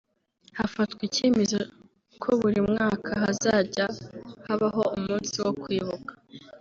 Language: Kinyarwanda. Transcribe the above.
hafatwa icyemezo ko buri mwaka hazajya habaho umunsi wo kwibuka